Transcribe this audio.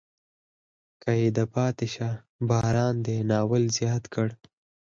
کې یې د پاتې شه باران دی ناول زیات کړ.